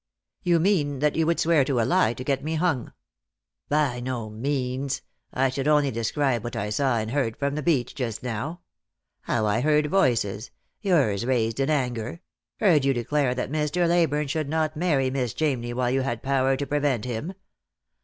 " You mean that you would swear to a lie to get me hung !"" By no means. I should only describe what I saw and heard from the beach just now. How I heard voices — yours raised in anger ; heard you declare that Mr. Leyburne should not marry L 162 Lost for Love. Miss Chamney while you had power to prevent him.